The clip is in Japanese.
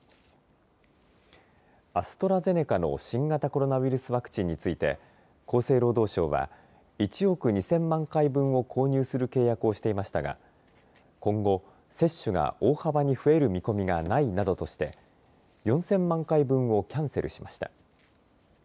アストラゼネカの新型コロナウイルスワクチンについて厚生労働省は１億２０００万回分を購入する契約をしていましたが今後、接種が大幅に増える見込みがないなどとして４０００万回分をキャンセルしました。